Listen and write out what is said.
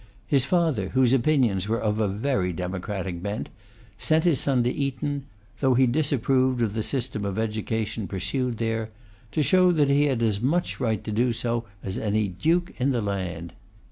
His father, whose opinions were of a very democratic bent, sent his son to Eton, though he disapproved of the system of education pursued there, to show that he had as much right to do so as any duke in the land.